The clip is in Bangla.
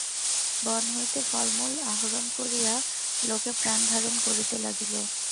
বন হইতে ফল মূল আহরণ করিয়া লোকে প্রাণধারণ করিতে লাগিল।